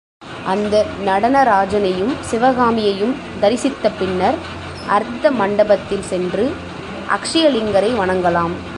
அந்த நடனராஜனையும் சிவகாமியையும் தரிசித்த பின்னர் அர்த்த மண்டபத்தில் சென்று அக்ஷயலிங்கரை வணங்கலாம்.